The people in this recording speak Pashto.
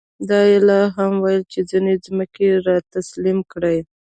دا یې لا هم ویل چې ځینې ځمکې به را تسلیم کړي.